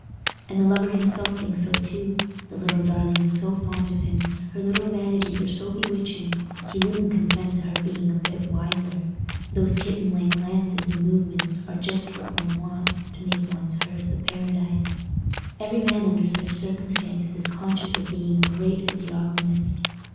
And the lover himself thinks so too: the little darling is so fond of him, her little vanities are so bewitching, he wouldn't consent to her being a bit wiser; those kittenlike glances and movements are just what one wants to make one's hearth a paradise. Every man under such circumstances is conscious of being a great physiognomist.